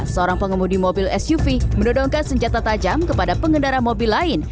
seorang pengemudi mobil suv mendodongkan senjata tajam kepada pengendara mobil lain